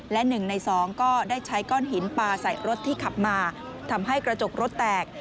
และ๑ใน๒ก็ได้ใช้ก้อนหินปลาใส่รถที่ขับมาทำให้กระจกรถแตก